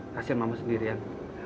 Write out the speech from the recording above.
kasian mama sendirian